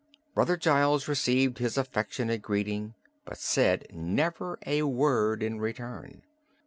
Brother Giles received his affectionate greeting but said never a word in return.